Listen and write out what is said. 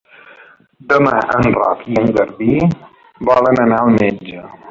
Demà en Roc i en Garbí volen anar al metge.